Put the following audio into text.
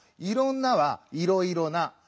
「いろんな」は「いろいろな」。